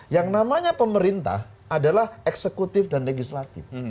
yang namanya pemerintah adalah eksekutif dan legislatif